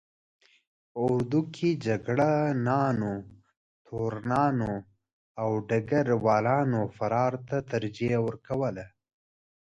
په اردو کې جګړه نانو، تورنانو او ډګر والانو فرار ته ترجیح ورکوله.